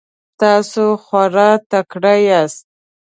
تاسو خورا تکړه یاست.